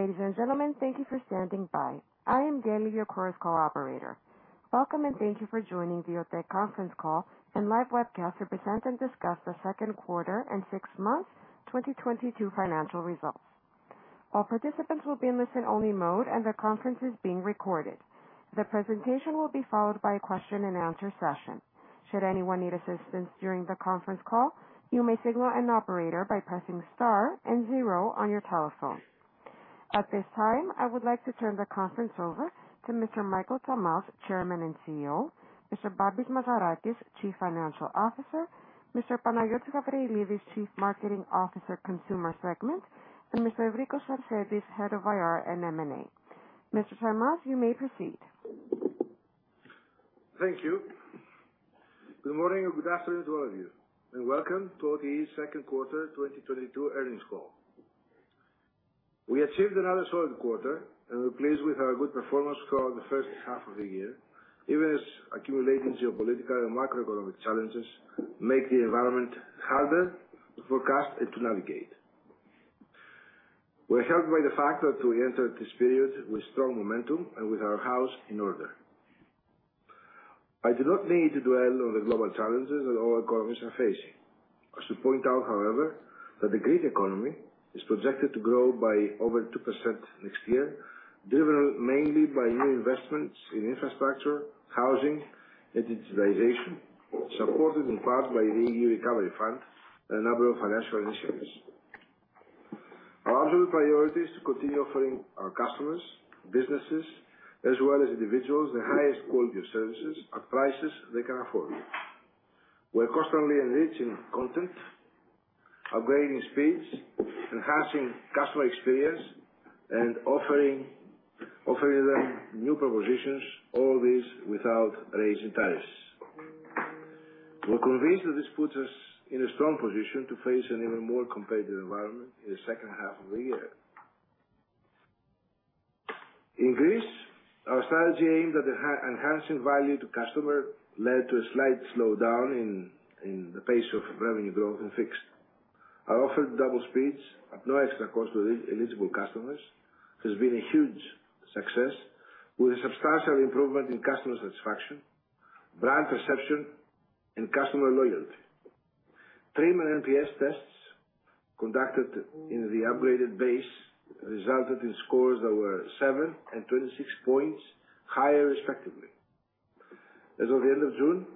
Ladies and gentlemen, thank you for standing by. I am Danny, your Chorus Call operator. Welcome, and thank you for joining the OTE Conference Call and Live Webcast to present and discuss the second quarter and six months 2022 financial results. All participants will be in listen-only mode, and the conference is being recorded. The presentation will be followed by a question and answer session. Should anyone need assistance during the conference call, you may signal an operator by pressing star and zero on your telephone. At this time, I would like to turn the conference over to Mr. Michael Tsamaz, Chairman and CEO, Mr. Babis Mazarakis, Chief Financial Officer, Mr. Panayiotis Gabrielides, Chief Marketing Officer, Consumer Segment, and Mr. Evrikos Sarsentis, Head of IR and M&A. Mr. Tsamaz, you may proceed. Thank you. Good morning or good afternoon to all of you, and welcome to OTE's Second Quarter 2022 Earnings Call. We achieved another solid quarter, and we're pleased with our good performance throughout the first half of the year, even as accumulating geopolitical and macroeconomic challenges make the environment harder to forecast and to navigate. We're helped by the fact that we entered this period with strong momentum and with our house in order. I do not need to dwell on the global challenges that all economies are facing. I should point out, however, that the Greek economy is projected to grow by over 2% next year, driven mainly by new investments in infrastructure, housing and digitalization, supported in part by the EU Recovery Fund and a number of financial initiatives. Our absolute priority is to continue offering our customers, businesses as well as individuals the highest quality of services at prices they can afford. We're constantly enriching content, upgrading speeds, enhancing customer experience and offering them new propositions, all this without raising tariffs. We're convinced that this puts us in a strong position to face an even more competitive environment in the second half of the year. In Greece, our strategy aimed at enhancing value to customer led to a slight slowdown in the pace of revenue growth and fixed. Our offer to double speeds at no extra cost to eligible customers has been a huge success with a substantial improvement in customer satisfaction, brand perception and customer loyalty. Three NPS tests conducted in the upgraded base resulted in scores that were 7 and 26 points higher, respectively. As of the end of June,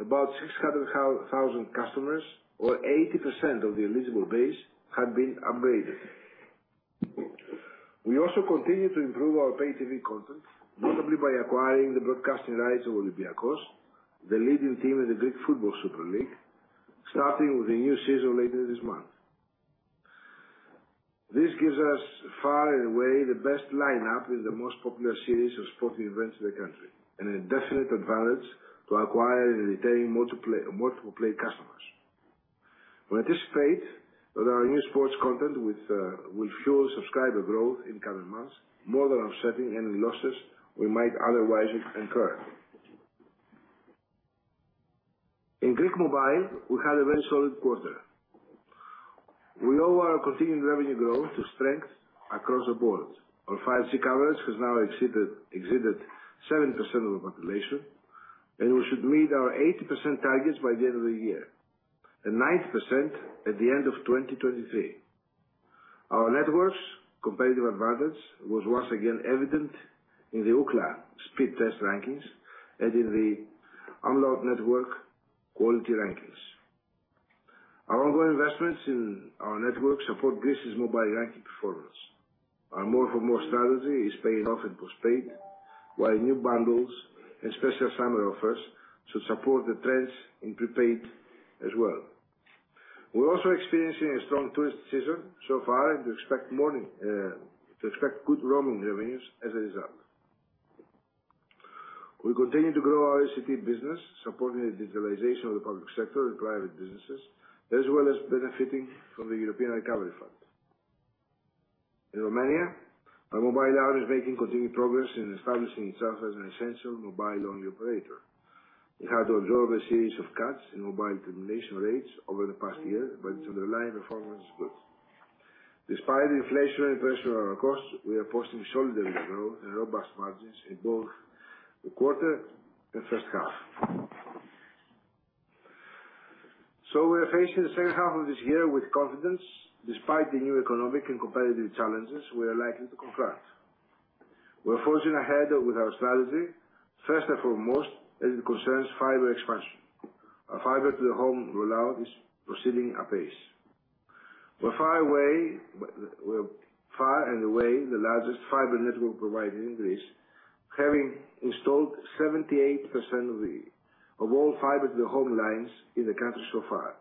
about 600,000 customers or 80% of the eligible base had been upgraded. We also continue to improve our pay-TV content, notably by acquiring the broadcasting rights of Olympiacos, the leading team in the Super League Greece, starting with the new season later this month. This gives us far and away the best lineup in the most popular series of sporting events in the country and a definite advantage to acquire and retain multiple pay customers. We anticipate that our new sports content will fuel subscriber growth in coming months, more than offsetting any losses we might otherwise incur. In Greek Mobile, we had a very solid quarter. We owe our continuing revenue growth to strength across the board. Our 5G coverage has now exceeded 7% of the population, and we should meet our 80% targets by the end of the year, and 90% at the end of 2023. Our network's competitive advantage was once again evident in the Ookla Speedtest rankings and in the umlaut network quality rankings. Our ongoing investments in our network support Greece's mobile ranking performance. Our more for more strategy is paying off in postpaid, while new bundles and special summer offers should support the trends in prepaid as well. We're also experiencing a strong tourist season so far and we expect more good roaming revenues as a result. We continue to grow our ICT business, supporting the digitalization of the public sector and private businesses, as well as benefiting from the European Recovery Fund. In Romania, our mobile arm is making continued progress in establishing itself as an essential mobile-only operator. It had to absorb a series of cuts in mobile termination rates over the past year, but its underlying performance is good. Despite inflation and pressure on our costs, we are posting solid revenue growth and robust margins in both the quarter and first half. We are facing the second half of this year with confidence despite the new economic and competitive challenges we are likely to confront. We're forging ahead with our strategy, first and foremost, as it concerns fiber expansion. Our fiber to the home rollout is proceeding apace. We're far and away the largest fiber network provider in Greece, having installed 78% of all fiber to the home lines in the country so far.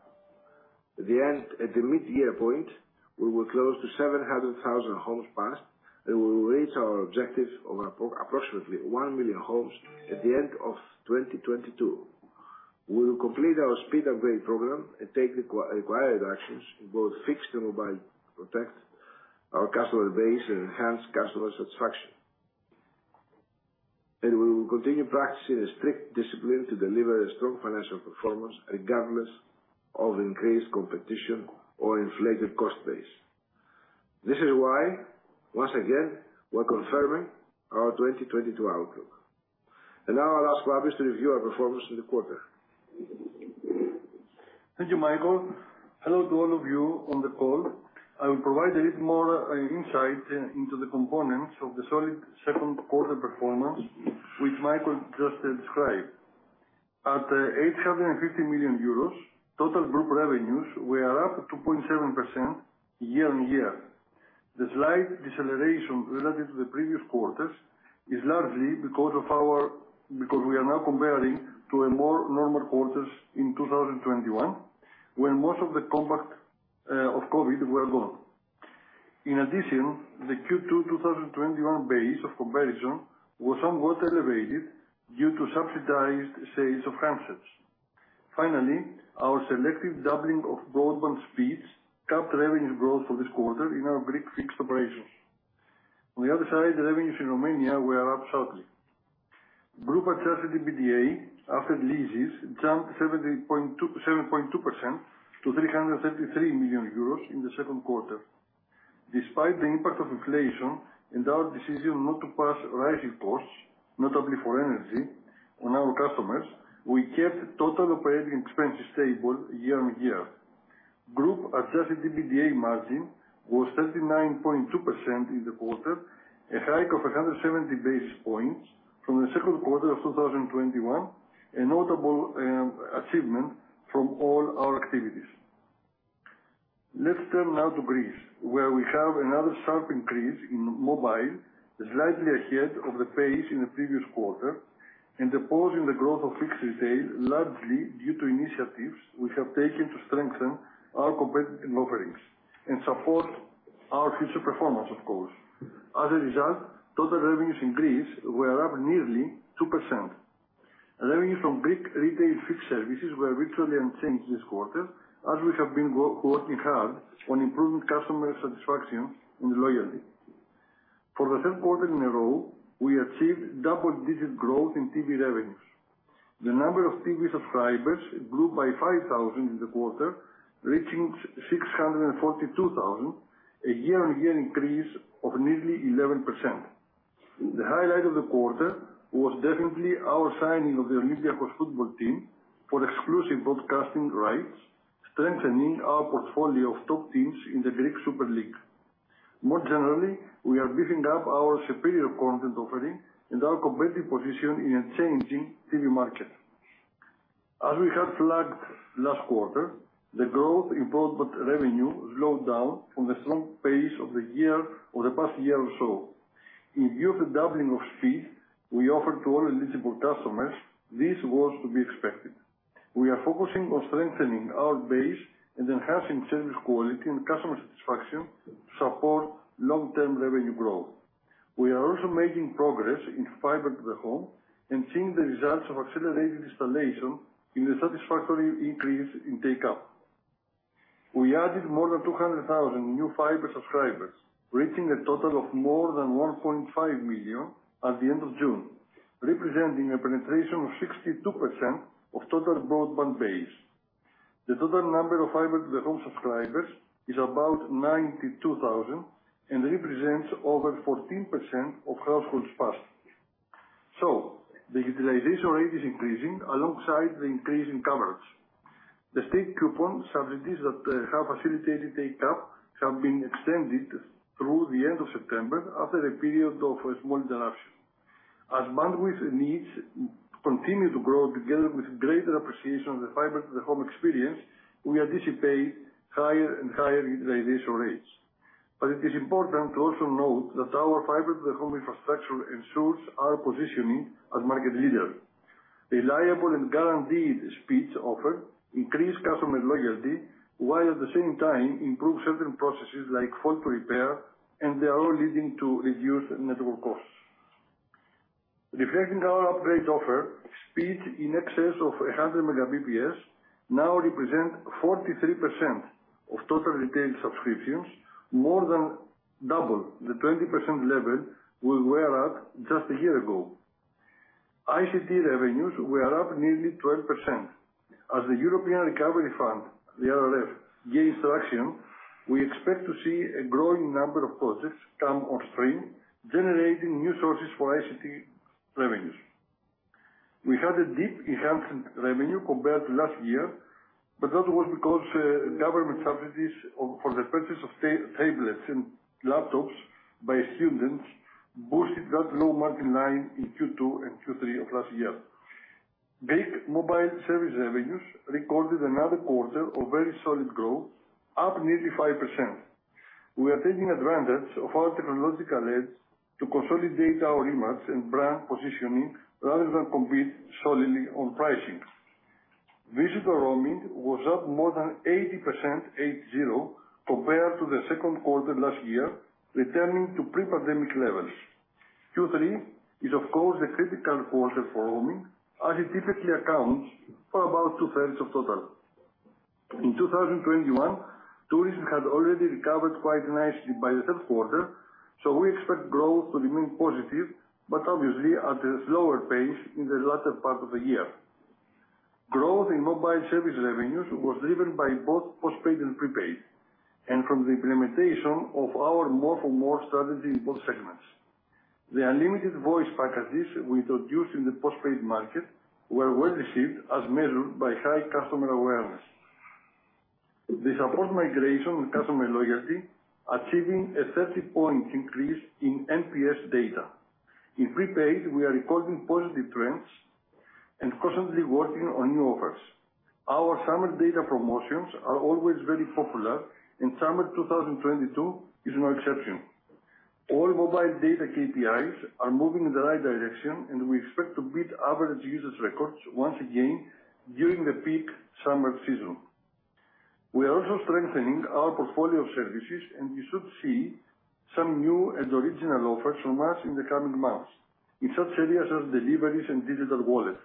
At the end, at the mid-year point, we were close to 700,000 homes passed, and we will reach our objective of approximately 1 million homes at the end of 2022. We will complete our speed upgrade program and take the required actions in both fixed and mobile to protect our customer base and enhance customer satisfaction. We will continue practicing a strict discipline to deliver a strong financial performance regardless of increased competition or inflated cost base. This is why, once again, we're confirming our 2022 outlook. Now I'll ask Babis to review our performance in the quarter. Thank you, Michael. Hello to all of you on the call. I will provide a little more insight into the components of the solid second quarter performance which Michael just described. At 850 million euros, total group revenues were up 2.7% year-on-year. The slight deceleration related to the previous quarters is largely because we are now comparing to a more normal quarters in 2021, when most of the COVID was gone. In addition, the Q2 2021 base of comparison was somewhat elevated due to subsidized sales of handsets. Finally, our selective doubling of broadband speeds capped revenue growth for this quarter in our Greek fixed operations. On the other side, revenues in Romania were up sharply. Group Adjusted EBITDA after leases jumped 7.2% to 333 million euros in the second quarter. Despite the impact of inflation and our decision not to pass rising costs, notably for energy, on our customers, we kept total operating expenses stable year-on-year. Group Adjusted EBITDA margin was 39.2% in the quarter, a hike of 170 basis points from the second quarter of 2021, a notable achievement from all our activities. Let's turn now to Greece, where we have another sharp increase in mobile, slightly ahead of the pace in the previous quarter and opposing the growth of fixed retail, largely due to initiatives we have taken to strengthen our competitive offerings and support our future performance, of course. As a result, total revenues in Greece were up nearly 2%. Revenues from Greek retail fixed services were virtually unchanged this quarter as we have been working hard on improving customer satisfaction and loyalty. For the third quarter in a row, we achieved double-digit growth in TV revenues. The number of TV subscribers grew by 5,000 in the quarter, reaching 642,000, a year-on-year increase of nearly 11%. The highlight of the quarter was definitely our signing of the Olympiacos football team for exclusive broadcasting rights, strengthening our portfolio of top teams in the Super League Greece. More generally, we are beefing up our superior content offering and our competitive position in a changing TV market. As we had flagged last quarter, the growth in broadband revenue slowed down from the strong pace of the past year or so. In view of the doubling of speed we offered to all eligible customers, this was to be expected. We are focusing on strengthening our base and enhancing service quality and customer satisfaction to support long-term revenue growth. We are also making progress in fiber to the home and seeing the results of accelerated installation in the satisfactory increase in take-up. We added more than 200,000 new fiber subscribers, reaching a total of more than 1.5 million at the end of June, representing a penetration of 62% of total broadband base. The total number of fiber to the home subscribers is about 92,000 and represents over 14% of households passed. The utilization rate is increasing alongside the increase in coverage. The state coupon subsidies that have facilitated take-up have been extended through the end of September after a period of a small interruption. As bandwidth needs continue to grow together with greater appreciation of the fiber to the home experience, we anticipate higher and higher utilization rates. It is important to also note that our fiber to the home infrastructure ensures our positioning as market leader. Reliable and guaranteed speeds offered increase customer loyalty, while at the same time improve certain processes like fault repair, and they are all leading to reduced network costs. Reflecting our upgrade offer, speeds in excess of 100 Mbps now represent 43% of total retail subscriptions, more than double the 20% level we were at just a year ago. ICT revenues were up nearly 12%. As the European Recovery Fund, the ERF, gains traction, we expect to see a growing number of projects come on stream, generating new sources for ICT revenues. We had a deep enhancement revenue compared to last year, but that was because government subsidies for the purchase of tablets and laptops by students boosted that low-margin line in Q2 and Q3 of last year. Greek mobile service revenues recorded another quarter of very solid growth, up nearly 5%. We are taking advantage of our technological edge to consolidate our image and brand positioning rather than compete solely on pricing. Visitor roaming was up more than 80% compared to the second quarter last year, returning to pre-pandemic levels. Q3 is, of course, the critical quarter for roaming, as it typically accounts for about 2/3 of total. In 2021, tourism had already recovered quite nicely by the third quarter, so we expect growth to remain positive, but obviously at a slower pace in the latter part of the year. Growth in mobile service revenues was driven by both postpaid and prepaid, and from the implementation of our more for more strategy in both segments. The unlimited voice packages we introduced in the postpaid market were well received as measured by high customer awareness. They support migration and customer loyalty, achieving a 30-point increase in NPS data. In prepaid, we are recording positive trends and constantly working on new offers. Our summer data promotions are always very popular, and summer 2022 is no exception. All mobile data KPIs are moving in the right direction, and we expect to beat average users records once again during the peak summer season. We are also strengthening our portfolio of services, and you should see some new and original offers from us in the coming months in such areas as deliveries and digital wallet.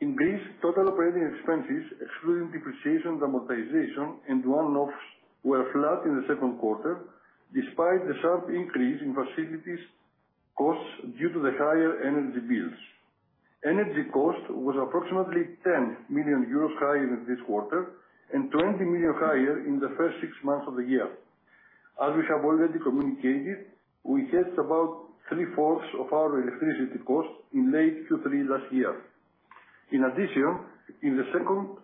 In Greece, total operating expenses excluding depreciation, amortization, and one-offs, were flat in the second quarter despite the sharp increase in facilities costs due to the higher energy bills. Energy cost was approximately 10 million euros higher than this quarter and 20 million higher in the first six months of the year. As we have already communicated, we hedged about 3/4 of our electricity costs in late Q3 last year. In addition, in the second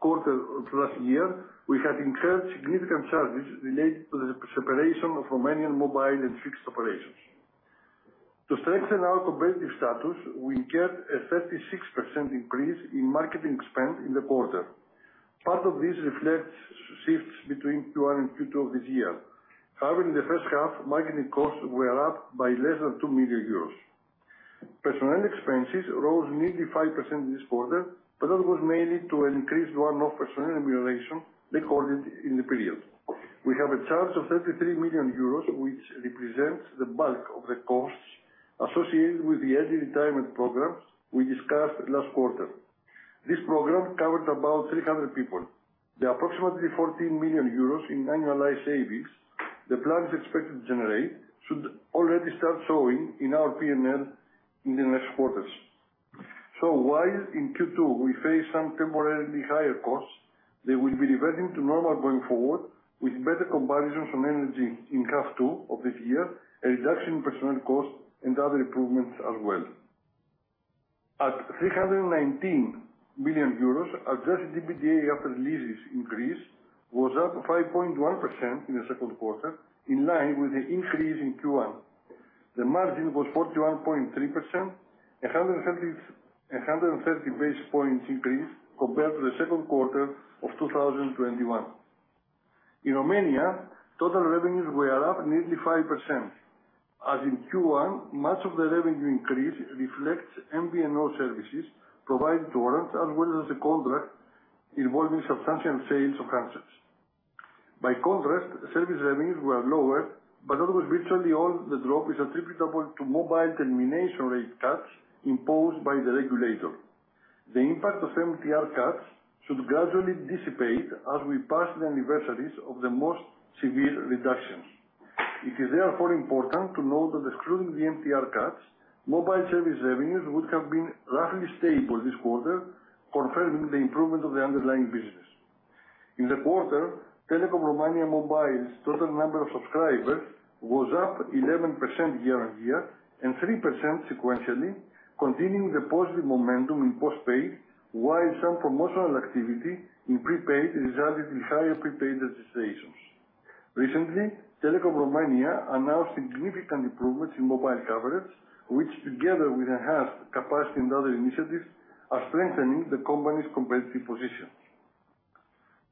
quarter of last year, we had incurred significant charges related to the separation of Romanian mobile and fixed operations. To strengthen our competitive status, we get a 36% increase in marketing spend in the quarter. Part of this reflects shifts between Q1 and Q2 of this year. However, in the first half, marketing costs were up by less than 2 million euros. Personnel expenses rose nearly 5% this quarter, but that was mainly due to an increased one-off personnel remuneration recorded in the period. We have a charge of 33 million euros, which represents the bulk of the costs associated with the early retirement programs we discussed last quarter. This program covered about 300 people. The approximately 14 million euros in annualized savings the plan is expected to generate should already start showing in our P&L in the next quarters. While in Q2 we face some temporarily higher costs, they will be reverting to normal going forward with better comparisons on energy in half two of this year, a reduction in personnel costs, and other improvements as well. At 319 billion euros, Adjusted EBITDA after leases increase was up 5.1% in the second quarter, in line with the increase in Q1. The margin was 41.3%, 130 basis points increase compared to the second quarter of 2021. In Romania, total revenues were up nearly 5%. As in Q1, much of the revenue increase reflects MVNO services provided to Orange as well as a contract involving substantial sales of handsets. By contrast, service revenues were lower, but that was virtually all. The drop is attributable to mobile termination rate cuts imposed by the regulator. The impact of MTR cuts should gradually dissipate as we pass the anniversaries of the most severe reductions. It is therefore important to note that excluding the MTR cuts, mobile service revenues would have been roughly stable this quarter, confirming the improvement of the underlying business. In the quarter, Telekom Romania Mobile's total number of subscribers was up 11% year-on-year and 3% sequentially, continuing the positive momentum in postpaid, while some promotional activity in prepaid resulted in higher prepaid registrations. Recently, Telekom Romania announced significant improvements in mobile coverage, which together with enhanced capacity and other initiatives, are strengthening the company's competitive position.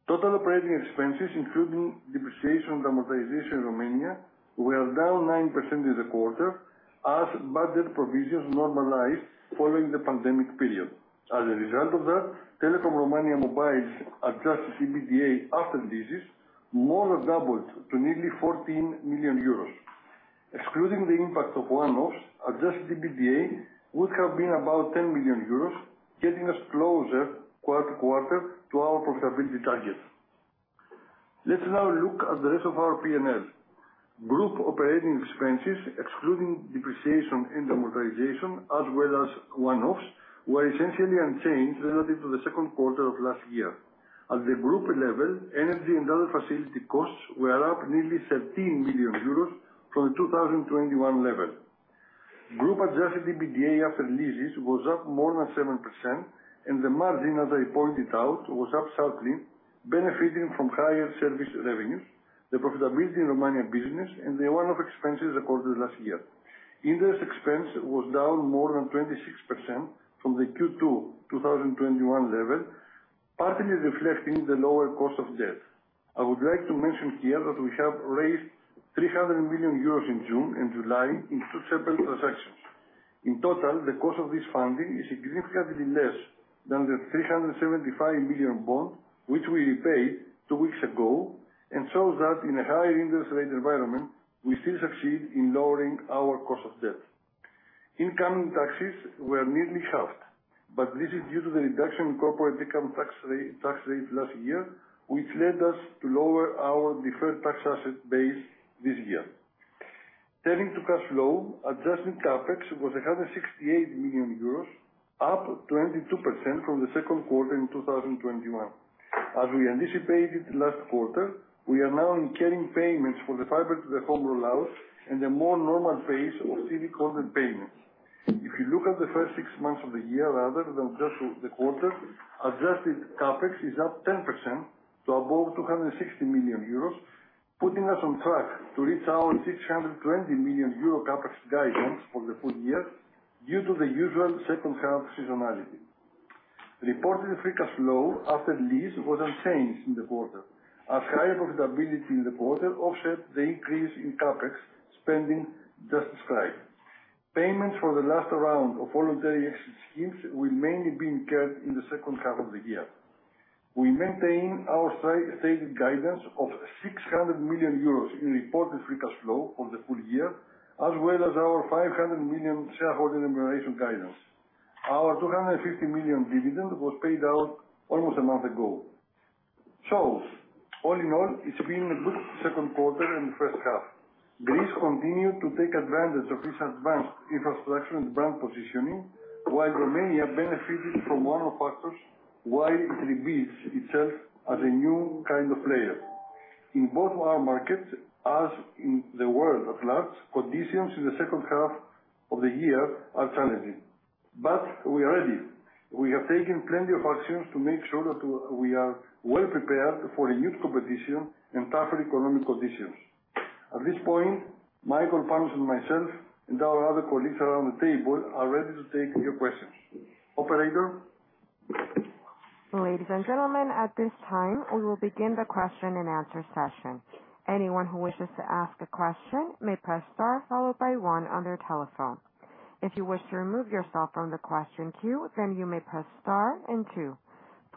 Total operating expenses, including depreciation and amortization in Romania, were down 9% in the quarter as budget provisions normalized following the pandemic period. As a result of that, Telekom Romania Mobile's Adjusted EBITDA after leases more than doubled to nearly 14 million euros. Excluding the impact of one-offs, Adjusted EBITDA would have been about 10 million euros, getting us closer quarter-over-quarter to our profitability target. Let's now look at the rest of our P&L. Group operating expenses, excluding depreciation and amortization, as well as one-offs, were essentially unchanged relative to the second quarter of last year. At the group level, energy and other facility costs were up nearly 13 million euros from the 2021 level. Group-Adjusted EBITDA after leases was up more than 7%, and the margin, as I pointed out, was up sharply, benefiting from higher service revenues, the profitability in Romania business, and the one-off expenses recorded last year. Interest expense was down more than 26% from the Q2 2021 level, partly reflecting the lower cost of debt. I would like to mention here that we have raised 300 million euros in June and July in two separate transactions. In total, the cost of this funding is significantly less than the 375 million bond, which we repaid two weeks ago, and shows that in a higher interest rate environment, we still succeed in lowering our cost of debt. Income taxes were nearly halved, but this is due to the reduction in corporate income tax rate last year, which led us to lower our deferred tax asset base this year. Turning to cash flow, adjusted CapEx was 168 million euros, up 22% from the second quarter in 2021. As we anticipated last quarter, we are now incurring payments for the fiber to the home rollout and a more normal phase of CD content payments. If you look at the first six months of the year rather than just the quarter, adjusted CapEx is up 10% to above 260 million euros, putting us on track to reach our 620 million euro CapEx guidance for the full year due to the usual second half seasonality. Reported free cash flow after lease was unchanged in the quarter. Our higher profitability in the quarter offset the increase in CapEx spending just described. Payments for the last round of voluntary exit schemes will mainly be incurred in the second half of the year. We maintain our stated guidance of 600 million euros in reported free cash flow for the full year, as well as our 500 million shareholder remuneration guidance. Our 250 million dividend was paid out almost a month ago. All in all, it's been a good second quarter and first half. Greece continued to take advantage of its advanced infrastructure and brand positioning, while Romania benefited from macro factors while it reveals itself as a new kind of player. In both our markets, as in the world at large, conditions in the second half of the year are challenging, but we are ready. We have taken plenty of actions to make sure that we are well prepared for a huge competition and tougher economic conditions. At this point, Michael Tsamaz and myself, and our other colleagues around the table are ready to take your questions. Operator? Ladies and gentlemen, at this time, we will begin the question and answer session. Anyone who wishes to ask a question may press star followed by one on their telephone. If you wish to remove yourself from the question queue, then you may press star and two.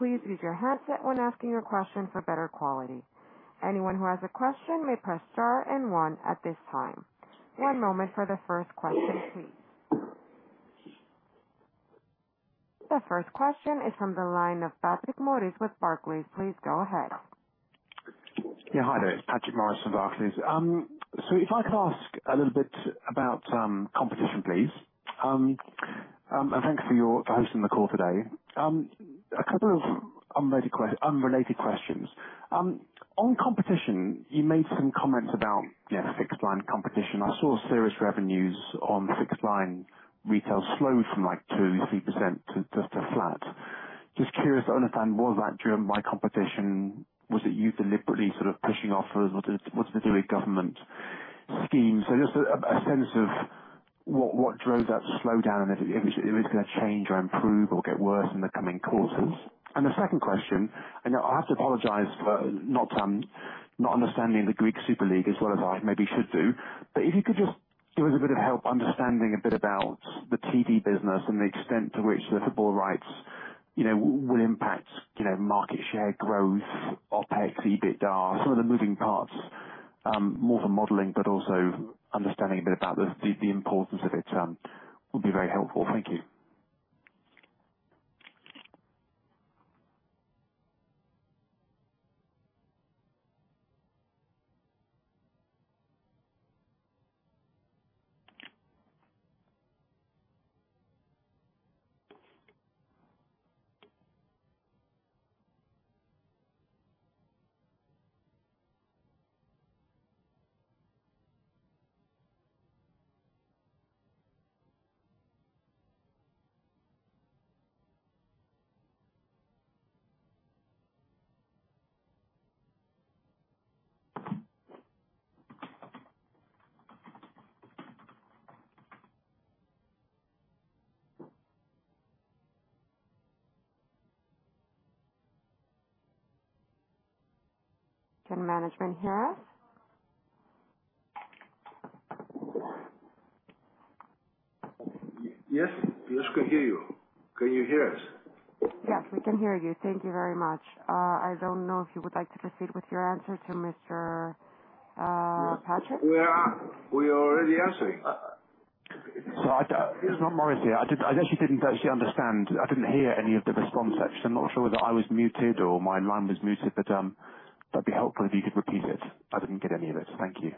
Please use your headset when asking your question for better quality. Anyone who has a question may press star and one at this time. One moment for the first question, please. The first question is from the line of Patrick Morris with Barclays. Please go ahead. Yeah, hi there. It's Patrick Morris from Barclays. So if I could ask a little bit about competition, please. And thanks for hosting the call today. A couple of unrelated questions. On competition, you made some comments about, you know, fixed line competition. I saw service revenues on fixed line retail slowed from, like, 2%-3% to flat. Just curious to understand, was that driven by competition? Was it you deliberately sort of pushing offers? Was it the Greek government schemes? Just a sense of what drove that slowdown, and if it's gonna change or improve or get worse in the coming quarters. The second question, I know I have to apologize for not understanding the Super League Greece as well as I maybe should do, but if you could just give us a bit of help understanding a bit about the TV business and the extent to which the football rights, you know, will impact, you know, market share growth, OpEx, EBITDA, some of the moving parts, more for modeling, but also understanding a bit about the importance of it, would be very helpful. Thank you. Can management hear us? Yes. Yes, we can hear you. Can you hear us? Yes, we can hear you. Thank you very much. I don't know if you would like to proceed with your answer to Mr. Patrick. We are already answering. It's not Morris here. I actually didn't understand. I didn't hear any of the response section. I'm not sure whether I was muted or my line was muted, but that'd be helpful if you could repeat it. I didn't get any of it. Thank you.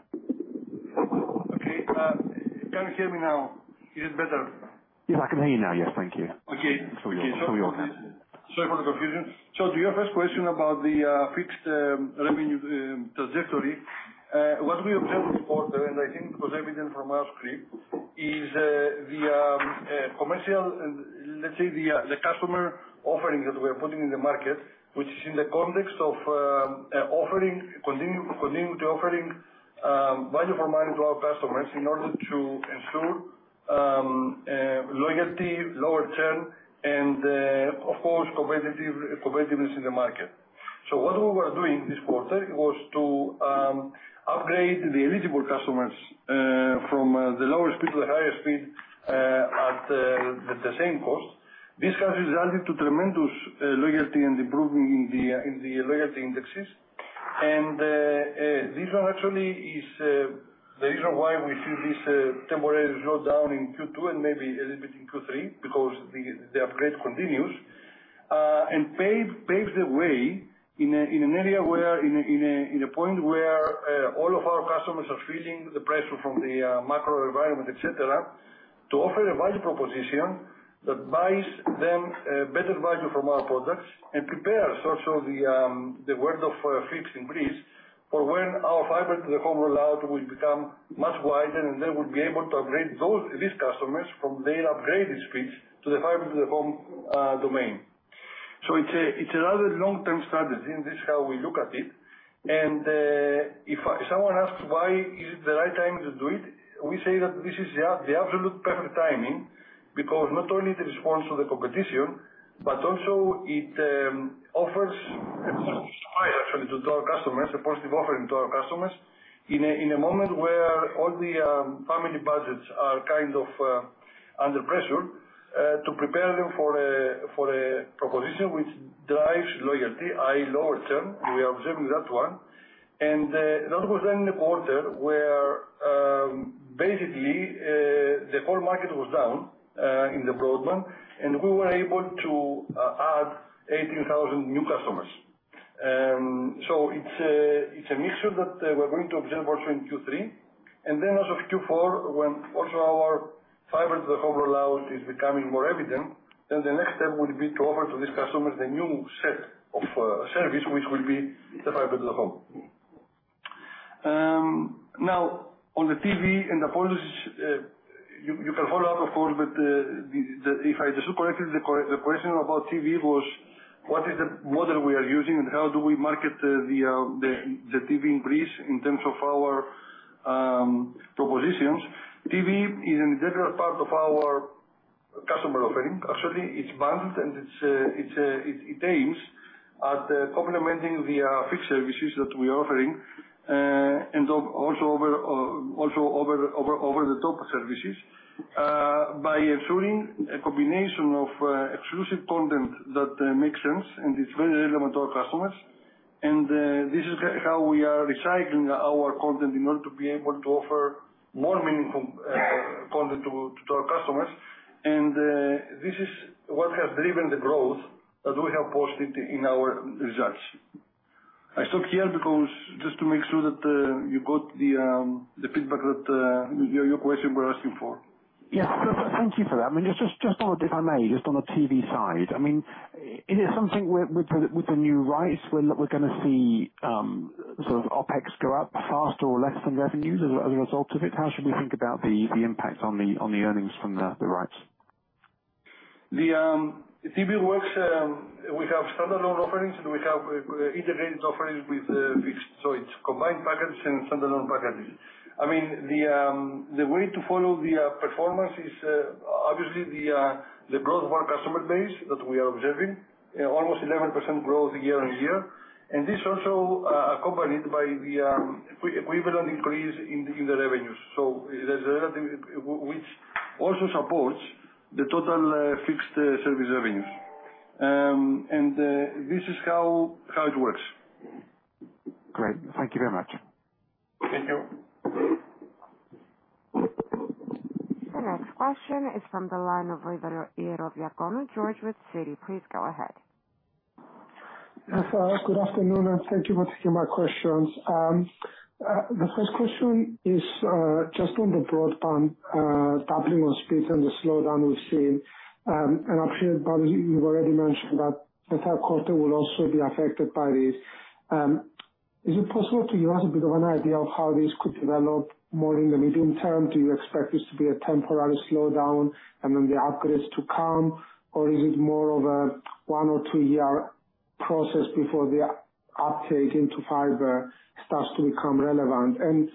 Okay. Can you hear me now? Is it better? Yes, I can hear you now. Yes. Thank you. Okay. It's all your end. Sorry for the confusion. To your first question about the fixed revenue trajectory, what we observed in the quarter, and I think it was evident from our script, is the commercial and let's say the customer offering that we are putting in the market, which is in the context of offering, continuing to offer value for money to our customers in order to ensure loyalty, lower churn, and of course, competitiveness in the market. What we were doing this quarter was to upgrade the eligible customers from the lower speed to higher speed at the same cost. This has resulted to tremendous loyalty and improvement in the loyalty indexes. This one actually is the reason why we see this temporary slowdown in Q2 and maybe a little bit in Q3, because the upgrade continues, paves the way in an area where in a point where all of our customers are feeling the pressure from the macro environment, et cetera, to offer a value proposition that buys them better value from our products and prepares also the world of fixed in Greece for when our fiber to the home rollout will become much wider and they will be able to upgrade these customers from their upgraded speeds to the fiber to the home domain. It's a rather long-term strategy and this is how we look at it. If someone asks why is it the right time to do it, we say that this is the absolute perfect timing because not only the response to the competition, but also it offers actually to our customers a positive offering to our customers in a moment where all the family budgets are kind of under pressure to prepare them for a proposition which drives loyalty, i.e., lower term. We are observing that one. That was in the quarter where basically the whole market was down in the broadband, and we were able to add 18,000 new customers. It's a mixture that we're going to observe also in Q3 and then also Q4 when also our fiber to the home rollout is becoming more evident. Then the next step will be to offer to these customers the new set of service which will be the fiber to the home. Now on the TV and the policies, you can follow up of course, but if I just corrected the question about TV was what is the model we are using and how do we market the TV in Greece in terms of our propositions. TV is an integral part of our customer offering. Actually, it's bundled and it aims at complementing the fixed services that we're offering and also over the top services by ensuring a combination of exclusive content that makes sense and it's very relevant to our customers. This is how we are recycling our content in order to be able to offer more meaningful content to our customers. This is what has driven the growth that we have posted in our results. I stop here because just to make sure that you got the feedback that your question were asking for. Yes. Thank you for that. I mean, just on if I may, just on the TV side, I mean is it something with the new rights where we're gonna see sort of OpEx go up faster or less than revenues as a result of it? How should we think about the impact on the earnings from the rights? The TV works. We have standalone offerings. It's combined packages and standalone packages. I mean, the way to follow the performance is obviously the growth of our customer base that we are observing, almost 11% growth year-on-year. This also accompanied by the equivalent increase in the revenues. The revenue, which also supports the total fixed service revenues. This is how it works. Great. Thank you very much. Thank you. The next question is from the line of Georgios Ierodiaconou with Citi. Please go ahead. Yes. Good afternoon, and thank you for taking my questions. The first question is, just on the broadband, doubling of speeds and the slowdown we've seen. I'm sure probably you've already mentioned that the third quarter will also be affected by this. Is it possible for you to have a bit of an idea of how this could develop more in the medium term? Do you expect this to be a temporary slowdown and then the upgrades to come, or is it more of a one or two-year process before the upgrade into fiber starts to become relevant?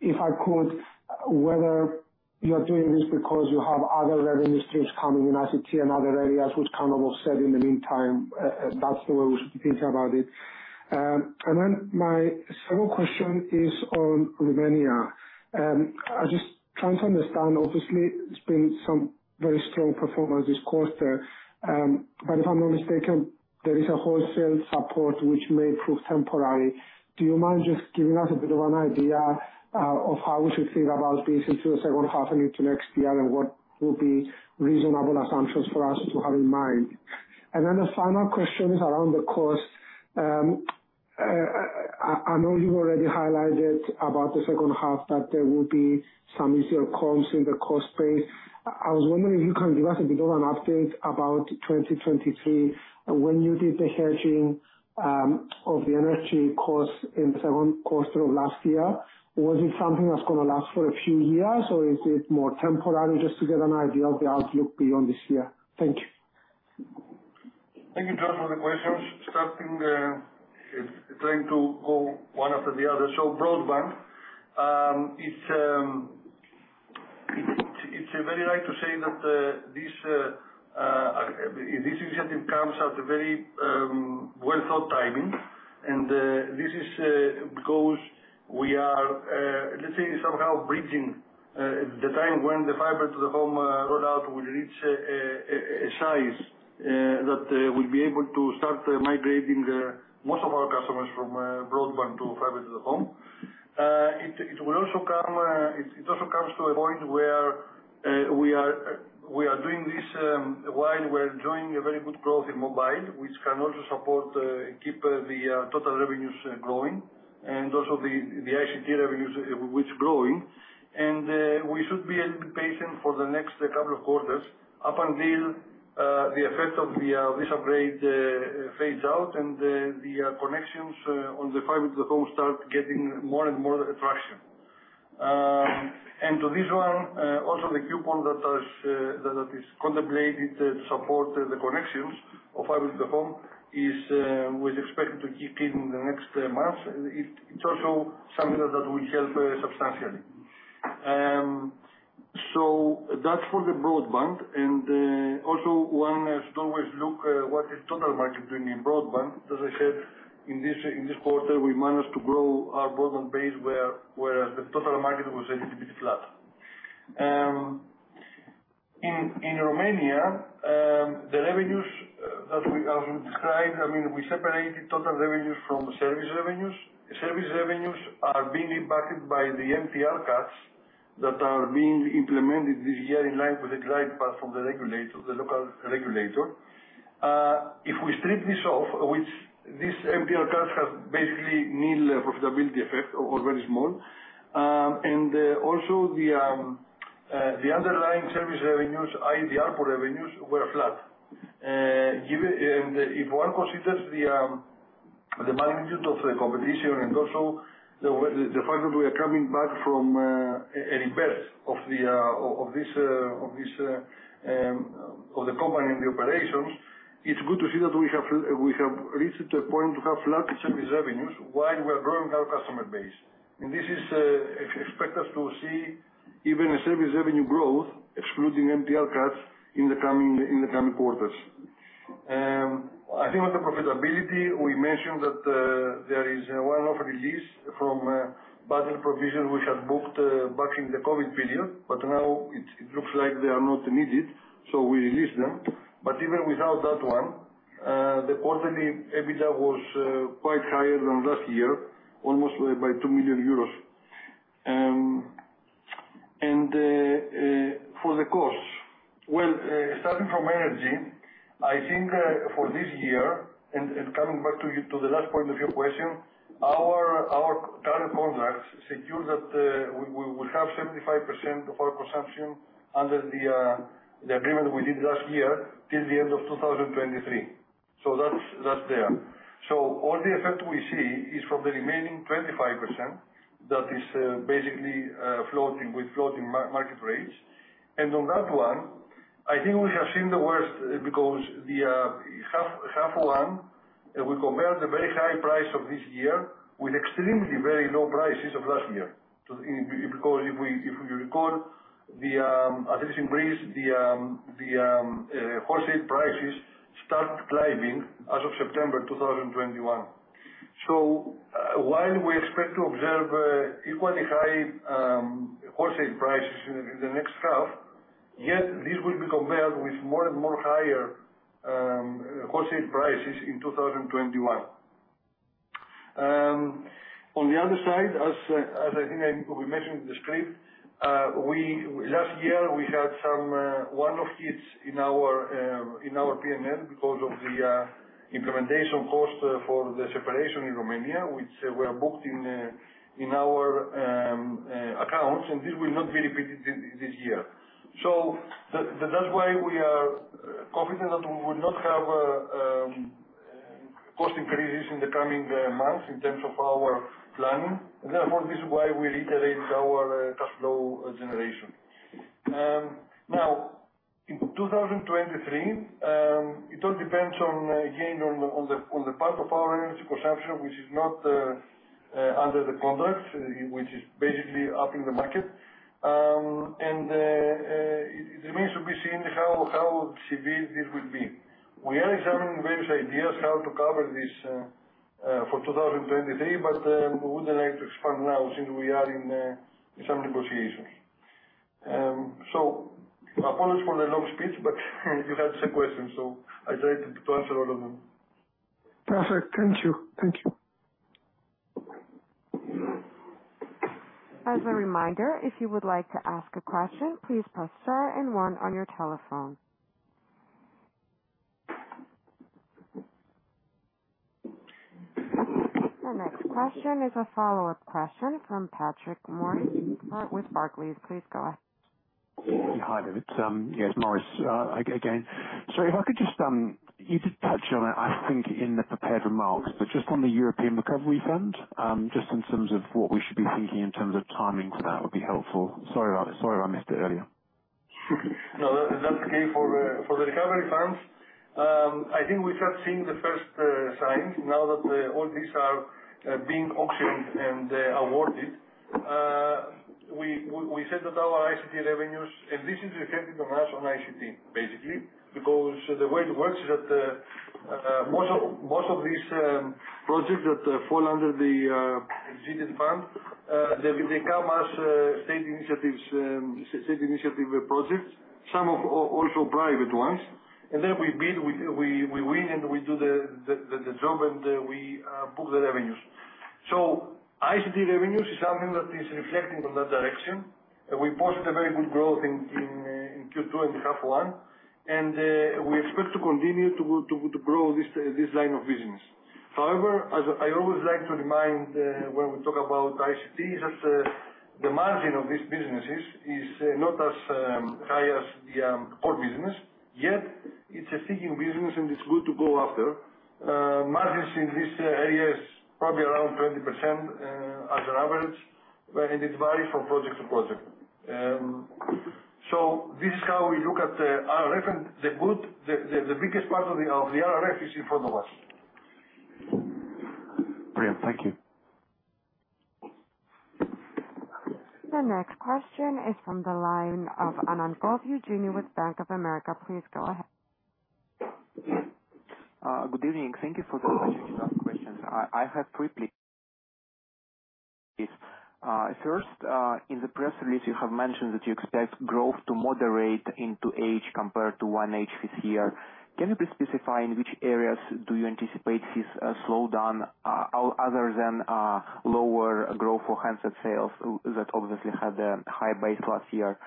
If I could, whether you are doing this because you have other revenue streams coming in ICT and other areas which kind of offset in the meantime, that's the way we should be thinking about it. My second question is on Romania. I'm just trying to understand. Obviously, there's been some very strong performance this quarter. If I'm not mistaken, there is a wholesale support which may prove temporary. Do you mind just giving us a bit of an idea of how we should think about this into the second half and into next year and what will be reasonable assumptions for us to have in mind? The final question is around the costs. I know you already highlighted about the second half that there will be some easier comps in the cost base. I was wondering if you can give us a bit of an update about 2023 when you did the hedging of the energy costs in the second quarter of last year. Was it something that's gonna last for a few years or is it more temporary just to get an idea of the outlook beyond this year? Thank you. Thank you, George, for the questions. Starting, trying to go one after the other. Broadband, it's very right to say that this initiative comes at a very well thought timing, and this is because we are. Let's say somehow bridging the time when the fiber to the home rollout will reach a size that will be able to start migrating most of our customers from broadband to fiber to the home. It will also come to a point where we are doing this while we're enjoying a very good growth in mobile, which can also support keep the total revenues growing and also the ICT revenues which growing. We should be a little patient for the next couple of quarters up until the effect of this upgrade phase out and the connections on the fiber to the home start getting more and more traction. To this one, also the coupon that is contemplated to support the connections of fiber to the home was expected to kick in in the next months. It's also something that will help substantially. That's for the broadband and also one should always look what the total market is doing in broadband. As I said, in this quarter, we managed to grow our broadband base whereas the total market was a little bit flat. In Romania, the revenues that we, as we described, I mean, we separated total revenues from service revenues. Service revenues are being impacted by the MTR cuts that are being implemented this year in line with the guide path from the regulator, the local regulator. If we strip this off, which these MTR cuts have basically nil profitability effect or very small. The underlying service revenues, ex-MTR revenues were flat. Given... If one considers the magnitude of the competition and also the fact that we are coming back from an impact on the company and the operations, it's good to see that we have reached a point to have flat service revenues while we are growing our customer base. We expect to see even a service revenue growth excluding MTR cuts in the coming quarters. I think with the profitability, we mentioned that there is one-off release from bad debt provision we had booked back in the COVID period, but now it looks like they are not needed, so we release them. Even without that one, the quarterly EBITDA was quite higher than last year, almost by EUR 2 million. For the costs, well, starting from energy, I think, for this year and coming back to the last point of your question, our current contracts secure that we have 75% of our consumption under the agreement we did last year till the end of 2023. So that's there. All the effect we see is from the remaining 25% that is basically floating with market rates. On that one, I think we have seen the worst because the H1 will compare the very high price of this year with extremely very low prices of last year. If you recall, as I said, in Greece, the wholesale prices start climbing as of September 2021. While we expect to observe equally high wholesale prices in the next half, yet this will be compared with more and more higher wholesale prices in 2021. On the other side, as I think we mentioned in the script, we last year we had some one-off hits in our P&L because of the implementation cost for the separation in Romania, which were booked in our accounts, and this will not be repeated this year. That, that's why we are confident that we would not have cost increases in the coming months in terms of our planning. Therefore, this is why we reiterate our cash flow generation. Now in 2023, it all depends on, again, on the part of our energy consumption, which is not under the contract, which is basically up in the market. It remains to be seen how severe this will be. We are examining various ideas how to cover this for 2023, but we wouldn't like to expand now since we are in some negotiations. Apologies for the long speech, but you had some questions, so I tried to answer all of them. Perfect. Thank you. Thank you. As a reminder, if you would like to ask a question, please press star and one on your telephone. The next question is a follow-up question from Patrick Morris with Barclays. Please go ahead. Hi, David. Yes, Morris, again. Sorry, if I could just, you did touch on it, I think, in the prepared remarks, but just on the European Recovery Fund, just in terms of what we should be thinking in terms of timings, that would be helpful. Sorry I missed it earlier. No, that's okay. For the recovery funds, I think we have seen the first signs now that all these are being auctioned and awarded. We said that our ICT revenues, and this is affecting on us on ICT basically, because the way it works is that most of these projects that fall under the Recovery and Resilience Facility, they come as state initiatives, state initiative projects, some of also private ones. Then we bid, we win and we do the job and we book the revenues. ICT revenues is something that is reflecting from that direction. We posted a very good growth in Q2 and H1, and we expect to continue to grow this line of business. However, as I always like to remind, when we talk about ICT is that, the margin of these businesses is not as high as the core business. Yet it's a sexy business and it's good to go after. Margins in this area is probably around 20%, on average, but it varies from project to project. So this is how we look at the RRF and the biggest part of the RRF is in front of us. Great. Thank you. The next question is from the line of David Wright with Bank of America. Please go ahead. Good evening. Thank you for questions. I have quickly. First, in the press release you have mentioned that you expect growth to moderate into H2 compared to H1 this year. Can you please specify in which areas o you anticipate this slowdown, other than lower growth for handset sales that obviously had a high base last year?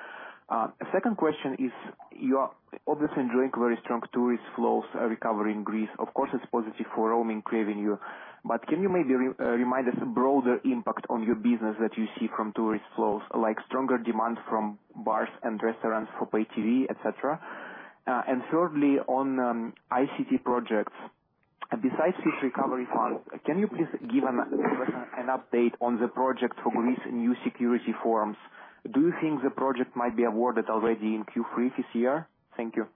Second question is, you are obviously enjoying very strong tourist flows recovery in Greece. Of course, it's positive for roaming revenue. But can you maybe remind us broader impact on your business that you see from tourist flows, like stronger demand from bars and restaurants for pay TV, et cetera? And thirdly, on ICT projects, besides this recovery fund, can you please give an update on the project for Greece new security forums? Do you think the project might be awarded already in Q3 this year? Thank you.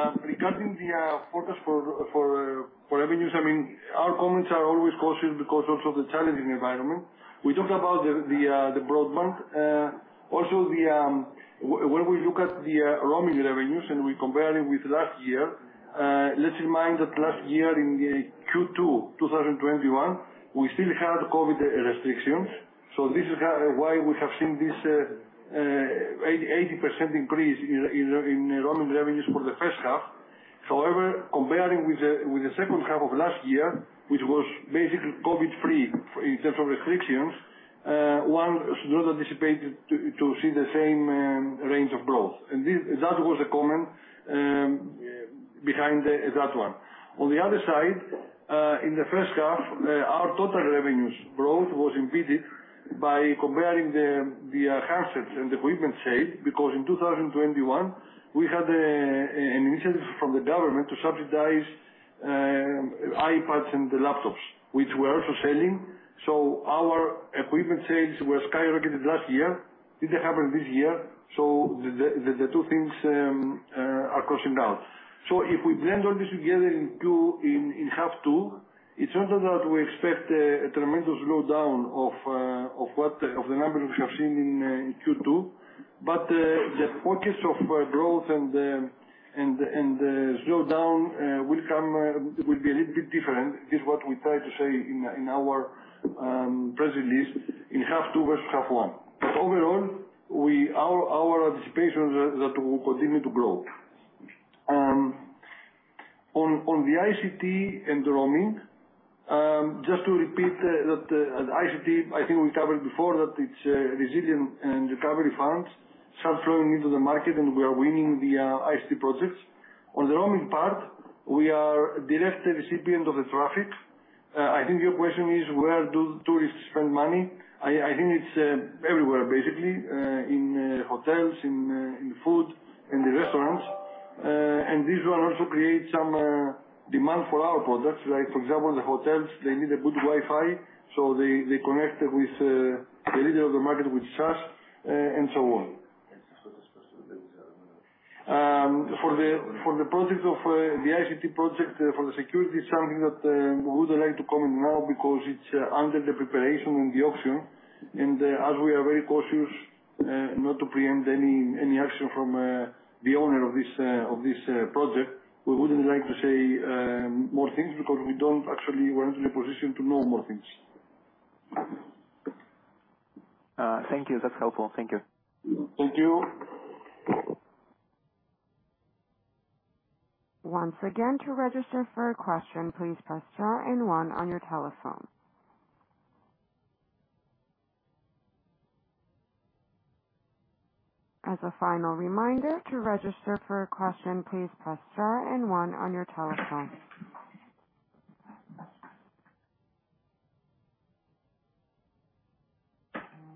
Yeah. Thank you for the questions. Regarding the forecast for revenues, I mean, our comments are always cautious because also the challenging environment. We talked about the broadband. Also, when we look at the roaming revenues and we compare it with last year, let's remind that last year in the Q2 2021, we still had COVID restrictions. This is kind of why we have seen this 80% increase in roaming revenues for the first half. However, comparing with the second half of last year, which was basically COVID-free in terms of restrictions, one should not anticipate to see the same range of growth. That was a comment behind that one. On the other side, in the first half, our total revenues growth was impeded by comparing the handsets and equipment sales, because in 2021 we had an initiative from the government to subsidize iPads and the laptops, which we're also selling. Our equipment sales skyrocketed last year. Didn't happen this year. The two things are crossing down. If we blend all this together in half two, it's not that we expect a tremendous slowdown of what the numbers we have seen in Q2, but the focus of growth and slowdown will be a little bit different. It is what we try to say in our press release in half two versus half one. Overall, our anticipation is that it will continue to grow. On the ICT and the roaming, just to repeat that, ICT, I think we covered before that it's resilience and recovery funds start flowing into the market and we are winning the ICT projects. On the roaming part, we are a direct recipient of the traffic. I think your question is where do tourists spend money? I think it's everywhere basically, in hotels, in food, in the restaurants. This one also creates some demand for our products. Like, for example, the hotels, they need a good Wi-Fi, so they connect with the leader of the market with OTE, and so on. For the ICT project for the security is something that we wouldn't like to comment now because it's under the preparation and the auction. As we are very cautious not to preempt any action from the owner of this project, we wouldn't like to say more things because we don't actually, we're not in a position to know more things. Thank you. That's helpful. Thank you. Thank you. Once again, to register for a question, please press star and one on your telephone. As a final reminder, to register for a question, please press star and one on your telephone.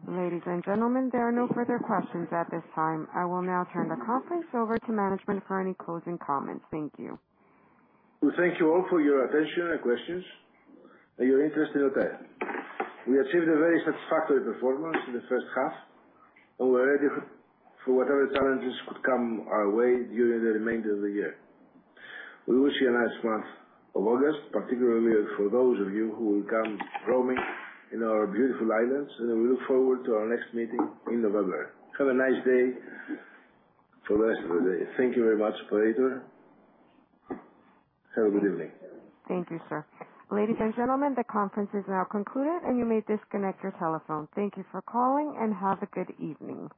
Ladies and gentlemen, there are no further questions at this time. I will now turn the conference over to management for any closing comments. Thank you. We thank you all for your attention and questions and your interest in OTE. We achieved a very satisfactory performance in the first half, and we're ready for whatever challenges could come our way during the remainder of the year. We wish you a nice month of August, particularly for those of you who will come roaming in our beautiful islands, and we look forward to our next meeting in November. Have a nice day for the rest of the day. Thank you very much for your attention. Have a good evening. Thank you, sir. Ladies and gentlemen, the conference is now concluded, and you may disconnect your telephone. Thank you for calling, and have a good evening.